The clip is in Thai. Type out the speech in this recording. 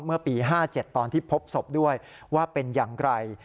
เมื่อปี๕๗ตอนที่พบศพด้วยว่าเป็นอย่างไร